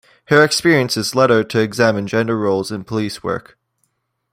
Her experiences lead her to examine gender roles in police work.